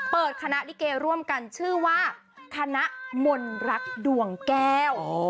คณะลิเกร่วมกันชื่อว่าคณะมนรักดวงแก้ว